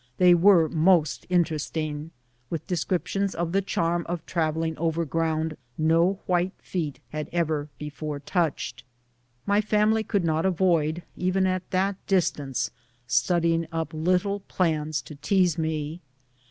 They were most interesting, with descriptions of tlie charm of travelling over ground no white feet had ever before touched. My family could not avoid, even at that distance, studying up little plans to tease me.